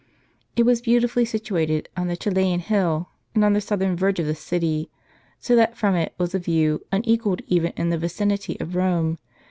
It was beautifully situated on the Coelian hill, and on the southern verge of the city ; so that from it was a view^ unequalled even in the vicinity of Rome.